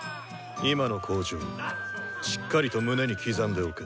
今の口上しっかりと胸に刻んでおけ。